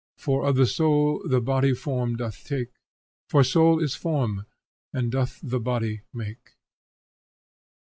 For, of the soul, the body form doth take, For soul is form, and doth the body make."